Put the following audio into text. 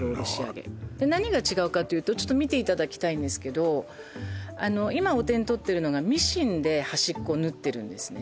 何が違うかというとちょっと見ていただきたいんですけど今お手に取ってるのがミシンで端っこ縫ってるんですね